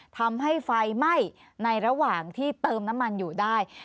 ทำให้ไฟไหม้ในระหว่างที่เติมน้ำมันอยู่ได้